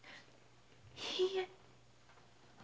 いいえ。